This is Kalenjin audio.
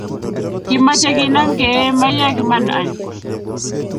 Kimache kinam keye maiyek iman any